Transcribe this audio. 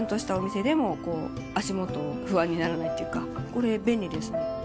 これ便利ですね。